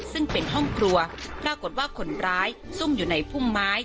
ซึ่งเป็นห้องครัวปรากฏว่าคนร้ายซุ่มอยู่ในพุ่มไม้